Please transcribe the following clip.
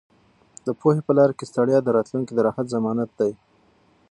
د پوهې په لاره کې ستړیا د راتلونکي د راحت ضمانت دی.